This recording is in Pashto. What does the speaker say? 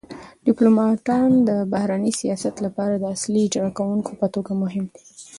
ډیپلوماتان د بهرني سیاست لپاره د اصلي اجرا کونکو په توګه مهم دي